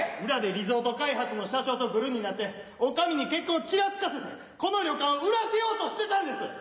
裏でリゾート開発の社長とグルになって女将に結婚をちらつかせてこの旅館を売らせようとしてたんです！